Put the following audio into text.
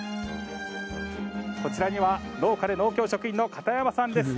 こちらには農家で農協職員の片山さんです。